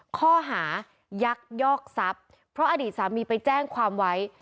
ข้อหายักยอกทรัพย์เพราะอดีตสามีไปแจ้งความไว้